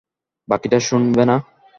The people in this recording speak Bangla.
বাকিটা শুনবে না?